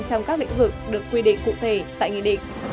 trong các lĩnh vực được quy định cụ thể tại nghị định